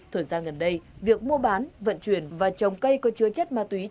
thời gian gần đây việc mua bán vận chuyển và trồng cây có chứa chất ma túy